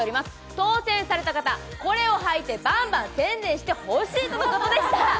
当選された方、これを履いてバンバン宣伝してほしいということでした。